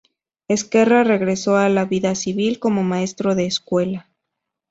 Ezquerra regresó a la vida civil como maestro de escuela.